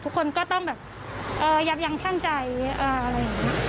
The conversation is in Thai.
ทุกคนก็ต้องแบบเอ่อยาบยังชั่งใจเอ่อ